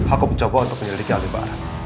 aku mencoba untuk menyelidiki alih barat